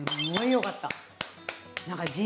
よかった。